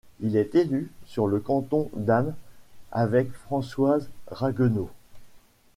Il est élu sur le canton d'Ham avec Françoise Ragueneau.